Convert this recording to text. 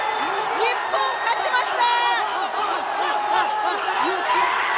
日本勝ちました！